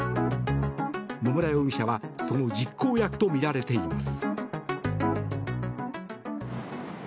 野村容疑者はその実行役とみられています。